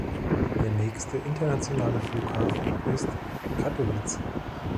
Der nächste internationale Flughafen ist Katowice.